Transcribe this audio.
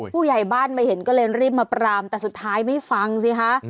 ผู้ใหญ่บ้านมาเห็นก็เลยรีบมาปรามแต่สุดท้ายไม่ฟังสิคะ